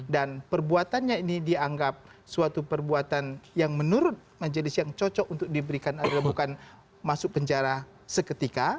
dan perbuatannya ini dianggap suatu perbuatan yang menurut majelis yang cocok untuk diberikan adalah bukan masuk penjara seketika